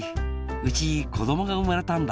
うちこどもがうまれたんだ。